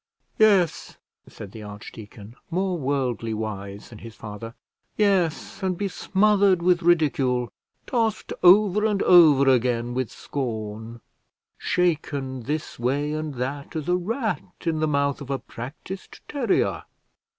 "Yes," said the archdeacon, more worldly wise than his father, "yes, and be smothered with ridicule; tossed over and over again with scorn; shaken this way and that, as a rat in the mouth of a practised terrier.